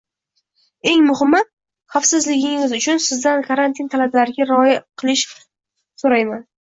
Eng muhimi, xavfsizligingiz uchun sizdan karantin talablariga qatʼiy rioya qilishingizni soʻrayman